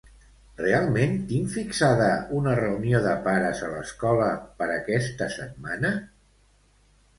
Realment tinc fixada una reunió de pares a l'escola per aquesta setmana?